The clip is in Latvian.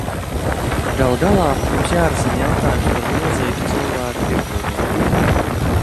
Galu galā, mums jārisina jautājums par milzīgu cilvēku pieplūdumu.